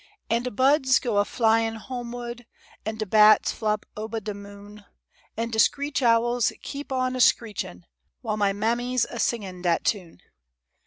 An' de buhds go a flying homewud, An' de bats flop obuh de moon, An' de screech owls keep on a screechin' Whal mah mammy's a singin' dat tune.